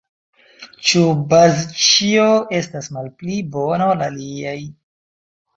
Ĉu Bazĉjo estas malpli bona ol aliaj?